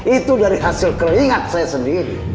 itu dari hasil keringat saya sendiri